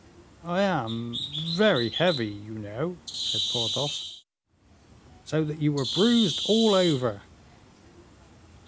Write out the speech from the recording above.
"I am very heavy, you know," said Porthos. "So that you were bruised all over."